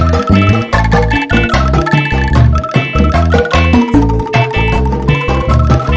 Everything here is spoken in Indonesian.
yang dulu nyiksa kita